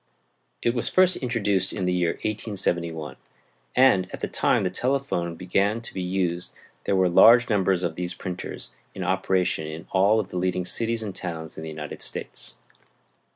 It was first introduced in the year 1871, and at the time the telephone began to be used there were large numbers of these printers in operation in all of the leading cities and towns in the United States.